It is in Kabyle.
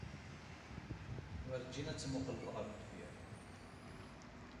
Werjin ad temmuqqleḍ ɣer deffir.